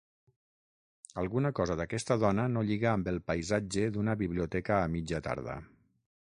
Alguna cosa d'aquesta dona no lliga amb el paisatge d'una biblioteca a mitja tarda.